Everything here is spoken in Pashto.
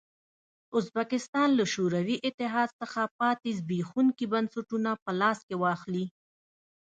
ازبکستان له شوروي اتحاد څخه پاتې زبېښونکي بنسټونه په لاس کې واخلي.